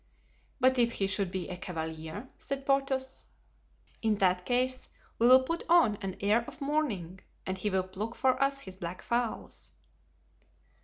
"But if he should be a cavalier?" said Porthos. "In that case we will put on an air of mourning and he will pluck for us his black fowls."